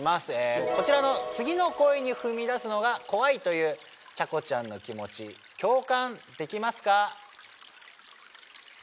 こちらの「次の恋に踏み出すのが怖い」というちゃこちゃんの気持ち共感できますか？